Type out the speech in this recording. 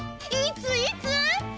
いついつ？